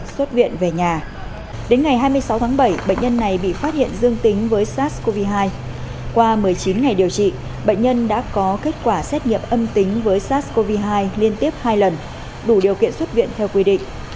xuất viện về nhà đến ngày hai mươi sáu tháng bảy bệnh nhân này bị phát hiện dương tính với sars cov hai qua một mươi chín ngày điều trị bệnh nhân đã có kết quả xét nghiệm âm tính với sars cov hai liên tiếp hai lần đủ điều kiện xuất viện theo quy định